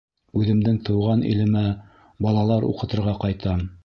Үҙемдең Тыуған илемә балалар уҡытырға ҡайтам.